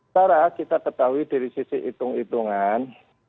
cara kita ketahui dari sisi hitung hitungan